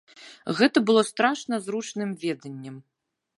Гэта было страшна зручным веданнем.